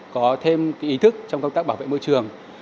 có thêm ý thức trong công tác bảo vệ môi trường